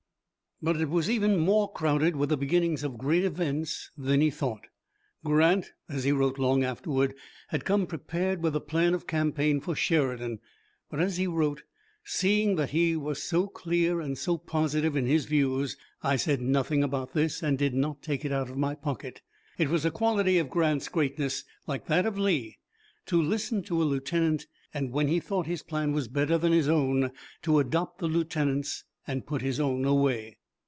But it was even more crowded with the beginnings of great events than he thought. Grant, as he wrote long afterward, had come prepared with a plan of campaign for Sheridan, but, as he wrote, "seeing that he was so clear and so positive in his views I said nothing about this and did not take it out of my pocket." It was a quality of Grant's greatness, like that of Lee, to listen to a lieutenant, and when he thought his plan was better than his own to adopt the lieutenant's and put his own away.